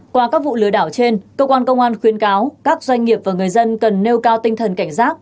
qua các vụ lừa đảo trên cơ quan công an khuyến cáo các doanh nghiệp và người dân cần nêu cao tinh thần cảnh giác